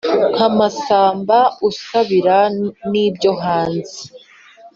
Nka Masamba usambira n'ibyo hanze